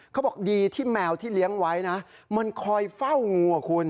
เขาบอกดีที่แมวที่เลี้ยงไว้นะมันคอยเฝ้างูอ่ะคุณ